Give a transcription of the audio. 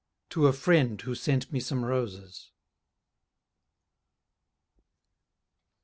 _To a Friend who sent me some Roses.